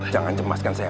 jangan cemaskan saya